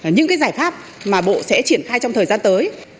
những giải pháp mà bộ sẽ triển khai trong thời gian tới